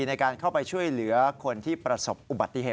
ในการเข้าไปช่วยเหลือคนที่ประสบอุบัติเหตุ